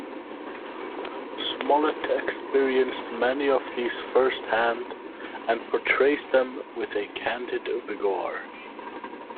Smollett experienced many of these first-hand and portrays them with a candid vigour.